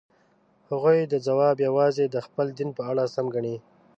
هغوی دا ځواب یوازې د خپل دین په اړه سم ګڼي.